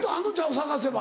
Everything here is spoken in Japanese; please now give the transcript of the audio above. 探せば。